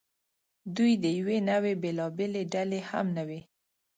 دوی د یوې نوعې بېلابېلې ډلې هم نه وې.